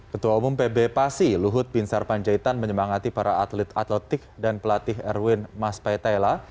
ketua umum pb pasi luhut bin sarpanjaitan menyemangati para atlet atletik dan pelatih erwin mas petela